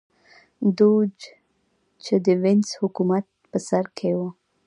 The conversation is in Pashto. دوج چې د وینز حکومت په سر کې و